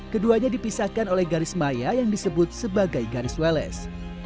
keduanya dipisahkan oleh garis maya yang disebut sebagai garis welas